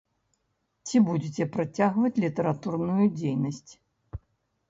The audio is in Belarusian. Ці будзеце працягваць літаратурную дзейнасць?